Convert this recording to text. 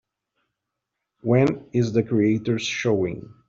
When is The Creators showing